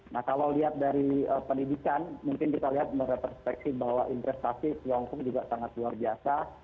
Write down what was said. nah kalau lihat dari pendidikan mungkin kita lihat mereperspeksi bahwa investasi tiongkok juga sangat luar biasa